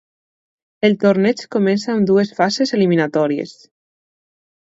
El torneig comença amb dues fases eliminatòries.